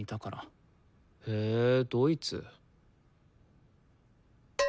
へドイツ。